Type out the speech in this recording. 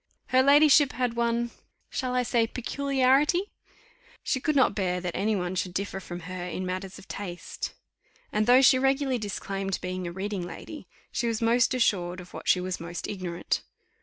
Her ladyship had one shall I say? peculiarity. She could not bear that any one should differ from her in matters of taste; and though she regularly disclaimed being a reading lady, she was most assured of what she was most ignorant.